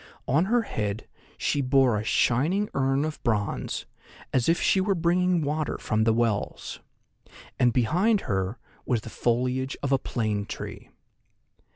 On her head she bore a shining urn of bronze, as if she were bringing water from the wells, and behind her was the foliage of a plane tree.